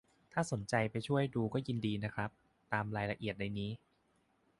ถ้าสนใจไปช่วยดูได้ก็ยินดีนะครับ ตามรายละเอียดในนี้